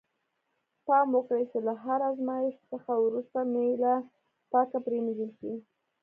پام وکړئ چې له هر آزمایښت څخه وروسته میله پاکه پرېمینځل شي.